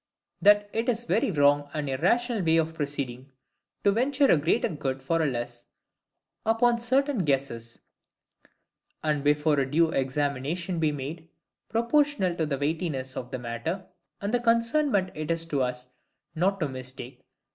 that it is a very wrong and irrational way of proceeding, to venture a greater good for a less, upon uncertain guesses; and before a due examination be made, proportionable to the weightiness of the matter, and the concernment it is to us not to mistake.